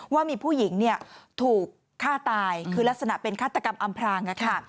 ว่ามีผู้หญิงถูกฆ่าตายคือลักษณะเป็นฆาตกรรมอำพราง